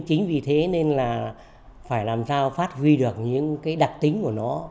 chính vì thế nên là phải làm sao phát huy được những cái đặc tính của nó